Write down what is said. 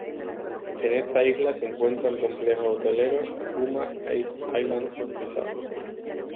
En esta isla se encuentra el complejo hotelero "Huma Island Resort".